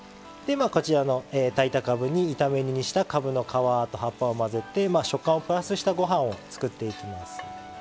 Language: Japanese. こちらの炊いたかぶに炒め煮にしたかぶの皮と葉っぱを混ぜて食感をプラスしたご飯を作っていきます。